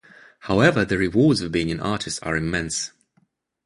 However, the rewards of being an artist are immense.